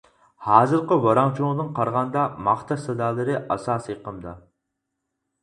ھازىرقى ۋاراڭ-چۇرۇڭدىن قارىغاندا، ماختاش سادالىرى ئاساسىي ئېقىمدا.